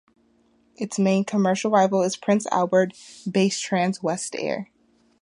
Its main commercial rival is Prince Albert-based Transwest Air.